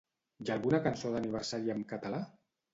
Hi ha alguna cançó d'aniversari amb català?